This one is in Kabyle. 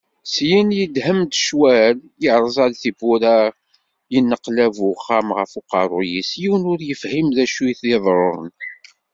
Syin yedhem-d ccwal, yerẓa-d tiwwura, yenneqlab uxxam-a ɣef uqerru-is, yiwen ur yefhim d acu i iḍerrun.